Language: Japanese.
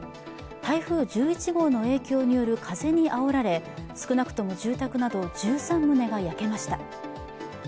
台風１１号の影響による風にあおられ少なくとも住宅など１３棟が焼けました。